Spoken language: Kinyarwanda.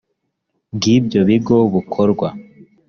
bw ibyo bigo bukorwa